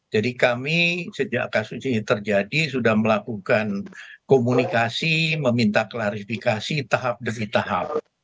jadi kami sejak kasus ini terjadi sudah melakukan komunikasi meminta klarifikasi tahap demi tahap